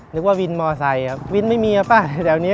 นึกว่าวินมอไซว์วินไม่มีละแถวนี้